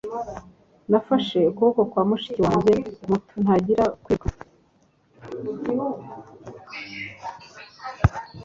Nafashe ukuboko kwa mushiki wanjye muto ntangira kwiruka